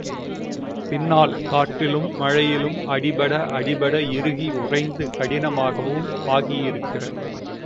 பின்னால் காற்றிலும் மழையிலும் அடிபட அடிபட இறுகி உறைந்து கடினமாகவும் ஆகியிருக்கிறது.